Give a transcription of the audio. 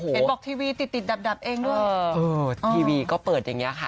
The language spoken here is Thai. เป็นบอกทีวีติดติดดับดับเองด้วยเออเออทีวีก็เปิดอย่างเงี้ยค่ะ